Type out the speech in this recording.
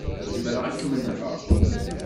Zemreɣ ad kem-nɣeɣ.